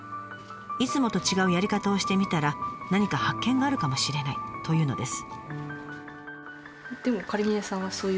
いつもと違うやり方をしてみたら何か発見があるかもしれないというのです。